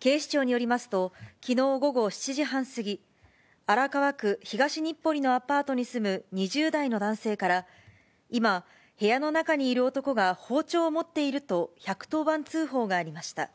警視庁によりますと、きのう午後７時半過ぎ、荒川区東日暮里のアパートに住む２０代の男性から、今、部屋の中にいる男が包丁を持っていると１１０番通報がありました。